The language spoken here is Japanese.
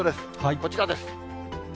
こちらです。